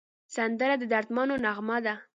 سندره د دردمندو نغمه ده